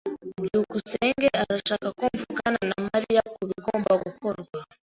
byukusenge arashaka ko mvugana na Mariya kubigomba gukorwa.